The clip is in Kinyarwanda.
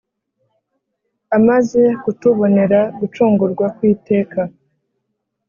amaze kutubonera gucungurwa kw'iteka.